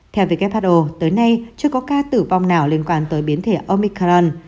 theo who tới nay chưa có ca tử vong nào liên quan tới biến thể omican